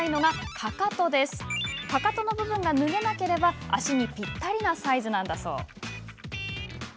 かかとの部分が脱げなければ足にぴったりなサイズなんだそう。